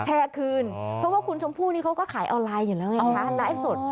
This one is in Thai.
แชร์คืนเพราะว่าคุณชมพู่นี่เขาก็ขายออนไลน์อยู่แล้วไงคะไลฟ์สด